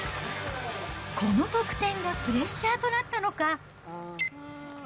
この得点がプレッシャーとなったのか。